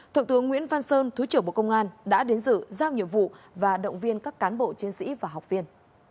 thượng tướng nguyễn phan sơn thủy trưởng bộ công an đã đến giữ giao nhiệm vụ và động viên các cán bộ chiến sĩ và học viên